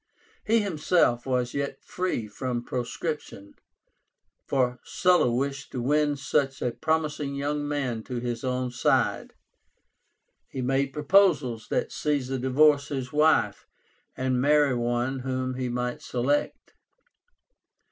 He himself was yet free from proscription, for Sulla wished to win such a promising young man to his own side. He made proposals that Caesar divorce his wife and marry one whom he might select.